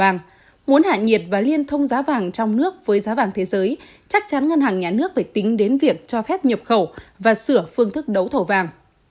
ngân hàng nhà nước phải tính đến việc cho phép nhập khẩu và sửa phương thức đấu thầu vàng